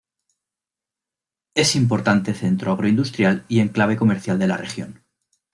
Es importante centro agroindustrial y enclave comercial de la región.